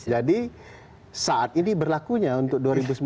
jadi saat ini berlakunya untuk dua ribu sembilan belas